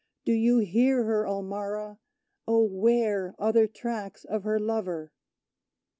Do you hear her, Ulmarra? Oh, where are the tracks of her lover?